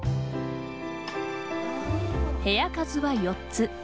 部屋数は４つ。